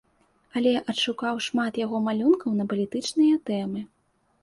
Але адшукаў шмат яго малюнкаў на палітычныя тэмы.